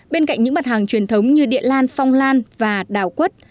bên cạnh những mặt hàng truyền thống như địa lan phong lan và đảo quất